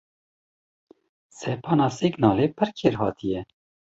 Sepana Signalê pir kêrhatî ye.